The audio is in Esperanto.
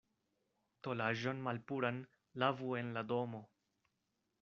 Tolaĵon malpuran lavu en la domo.